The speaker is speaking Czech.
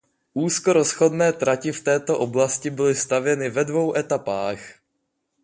Úzkorozchodné trati v této oblasti byly stavěny ve dvou etapách.